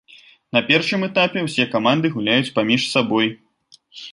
На першым этапе ўсе каманды гуляюць паміж сабой.